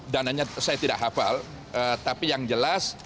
dananya saya tidak hafal tapi yang jelas